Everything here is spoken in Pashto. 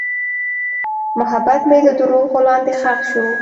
محبت مې د دروغو لاندې ښخ شو.